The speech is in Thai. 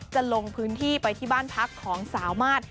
จะลงพื้นที่ไปที่บ้านพักของสาวมาส